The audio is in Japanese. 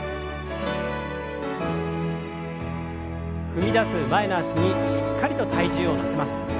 踏み出す前の脚にしっかりと体重を乗せます。